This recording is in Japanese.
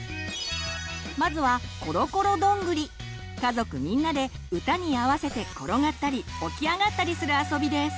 まずは家族みんなで歌に合わせて転がったりおきあがったりするあそびです！